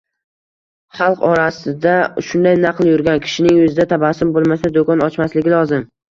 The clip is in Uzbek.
Halq orasida shunday naql yurgan: “Kishining yuzida tabassum boʻlmasa, doʻkon ochmasligi lozim”